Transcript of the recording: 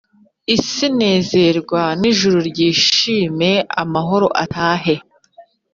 Isi ninezerwe nijuru ryishime amahoro atahe